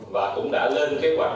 và cũng đã lên kế hoạch